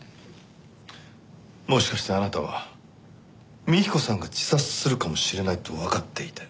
もしかしてあなたは幹子さんが自殺するかもしれないとわかっていて。